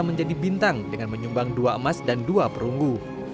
menjadi bintang dengan menyumbang dua emas dan dua perunggu